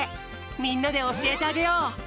みんなでおしえてあげよう。